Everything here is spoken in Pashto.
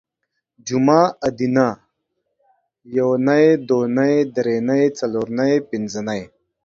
جومه ادینه یونۍ دونۍ درېنۍ څلورنۍ پنځنۍ